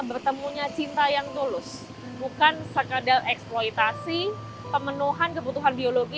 bertemunya cinta yang tulus bukan sekadar eksploitasi pemenuhan kebutuhan biologi